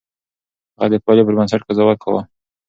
هغه د پايلې پر بنسټ قضاوت کاوه.